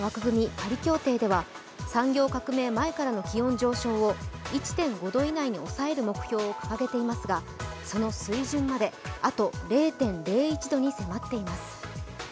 パリ協定では産業革命前からの気温上昇を１．５度以内に収める目標を掲げていますがその水準まであと０．０１度に迫っています。